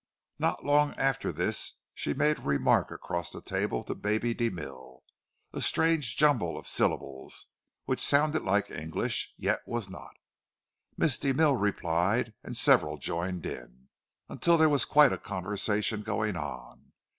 Not long after this she made a remark across the table to Baby de Mille, a strange jumble of syllables, which sounded like English, yet was not. Miss de Mille replied, and several joined in, until there was quite a conversation going on.